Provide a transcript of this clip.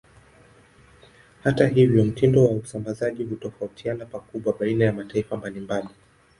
Hata hivyo, mtindo wa usambazaji hutofautiana pakubwa baina ya mataifa mbalimbali.